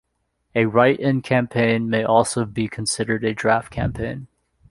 A write-in campaign may also be considered a "draft campaign".